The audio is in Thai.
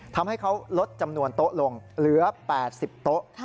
ทำให้เขาลดจำนวนโต๊ะลงเหลือ๘๐โต๊ะ